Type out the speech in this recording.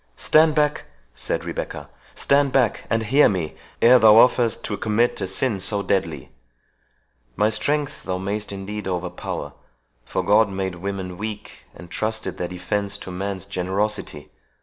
"Stand back," said Rebecca—"stand back, and hear me ere thou offerest to commit a sin so deadly! My strength thou mayst indeed overpower for God made women weak, and trusted their defence to man's generosity.